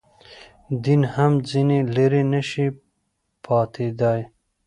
دین هم ځنې لرې نه شي پاتېدای.